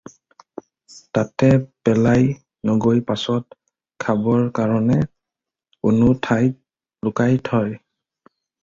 তাতে পেলাই নগৈ পাচত খাবৰ কাৰণে কোনো ঠাইত লুকাই থয়